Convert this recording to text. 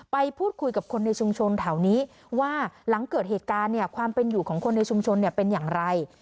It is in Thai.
ไปพูดคุยกับคนในชุมชนแถวนี้ว่าหลังเกิดเหตุการณ์เนี่ยความเป็นอยู่ของคนในชุมชนเป็นอย่างไร